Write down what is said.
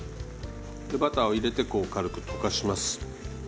バターを入れてこう軽く溶かします。